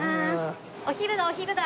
お昼だお昼だ！